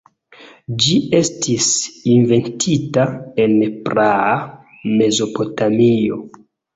Ĝi estis inventita en praa Mezopotamio.